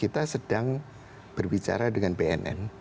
kita sedang berbicara dengan bnn